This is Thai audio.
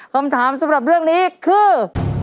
คำถามสำหรับเรื่องนี้คือ